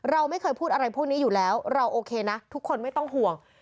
เราไม่เคยพูดอะไรพวกนี้อยู่แล้วเราโอเคนะทุกคนไม่ต้องห่วง